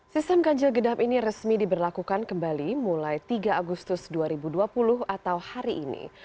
sistem ganjil genap ini resmi diberlakukan kembali mulai tiga agustus dua ribu dua puluh atau hari ini